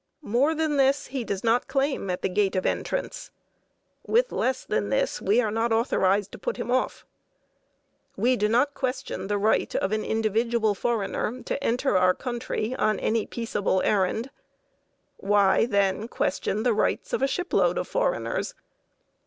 More than this he does not claim at the gate of entrance; with less than this we are not authorized to put him off. We do not question the right of an individual foreigner to enter our country on any peaceable errand; why, then, question the rights of a shipload of foreigners?